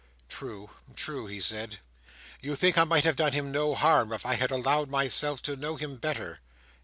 "True, true!" he said; "you think I might have done him no harm if I had allowed myself to know him better?"